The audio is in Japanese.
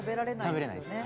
「食べられないです」